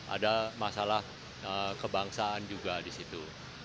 ada masalah kebangsaan juga di situ